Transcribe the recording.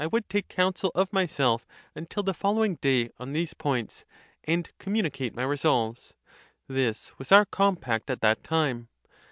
would take counsel of myself until the following day on these points, and communicate my resolves. This was our compact at that time.